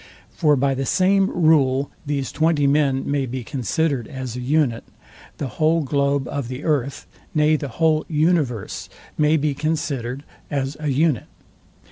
For by the same rule these twenty men may be considered as a unit. The whole globe of the earth, nay the whole universe, may be considered as a unit.